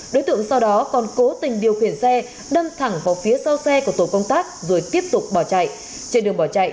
đối tượng sau đó còn cố tình điều khiển xe đâm thẳng vào phía sau xe của tổ công tác rồi tiếp tục bỏ chạy